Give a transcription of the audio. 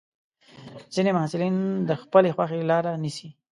ځینې محصلین د خپلې خوښې لاره نیسي.